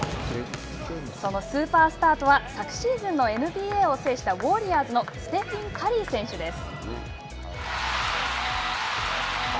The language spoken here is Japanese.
そのスーパースターとは昨シーズンのＮＢＡを制したウォーリアーズのステフィン・カリー選手です。